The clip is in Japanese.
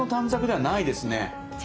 じゃないですね。